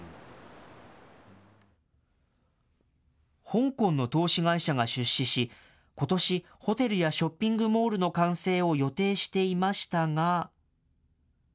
香港の投資会社が出資し、ことし、ホテルやショッピングモールの完成を予定していましたが。